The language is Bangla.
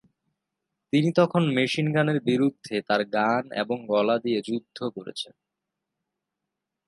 তিনি তখন মেশিনগানের বিরুদ্ধে তার গান এবং গলা দিয়ে যুদ্ধ করেছেন।